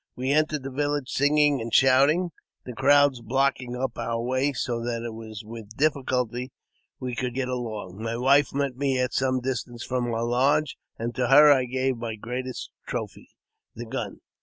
We entered the village singing and shouting, the crowds blocking up our way so that it was with difficulty we could get along. My wife met me at some distance from our lodge, and to her I gave my greatest trophy, the gun.